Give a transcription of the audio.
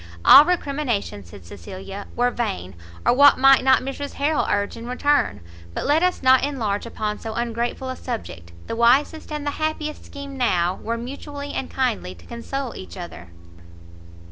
"All recrimination," said Cecilia, "were vain, or what might not Mrs Harrel urge in return! but let us not enlarge upon so ungrateful a subject, the wisest and the happiest scheme now were mutually and kindly to console each other."